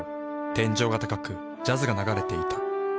天井が高くジャズが流れていた。